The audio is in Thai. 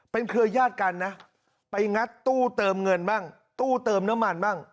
เป็นเครือญาติกันนะไปงัดตู้เติมเงินบ้างตู้เติมน้ำมันบ้าง